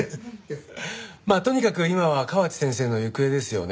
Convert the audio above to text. まあとにかく今は河内先生の行方ですよね。